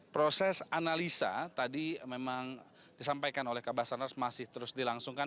proses analisa tadi memang disampaikan oleh kabasarnas masih terus dilangsungkan